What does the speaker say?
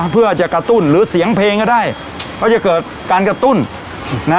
เพื่อจะกระตุ้นหรือเสียงเพลงก็ได้ก็จะเกิดการกระตุ้นนะ